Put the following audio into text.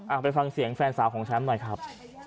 ไปฟังเสียงแฟนสาวของแชมป์หน่อยครับ